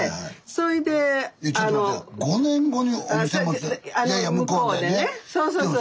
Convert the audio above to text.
そうそうそうそう。